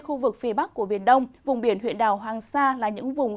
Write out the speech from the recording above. khu vực phía bắc của biển đông vùng biển huyện đảo hoàng sa là những vùng